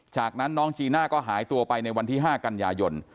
จากนั้นน้องจีน่าก็หายตัวไปในวันที่๕กันยายน